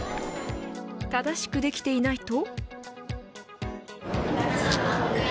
正しくできていないと。